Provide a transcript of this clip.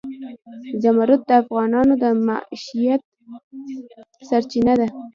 زمرد د افغانانو د معیشت سرچینه ده.